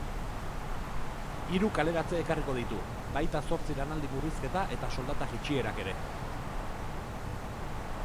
Hiru kaleratze ekarriko ditu, baita zortzi lanaldi murrizketa eta soldata jeitsierak ere.